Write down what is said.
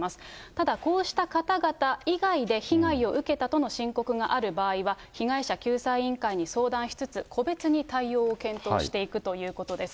ただ、こうした方々以外で被害を受けたとの申告がある場合は、被害者救済委員会に相談しつつ、個別に対応を検討していくということです。